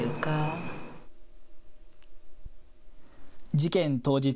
事件当日。